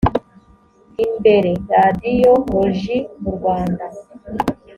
imbere radiyoloji mu rwanda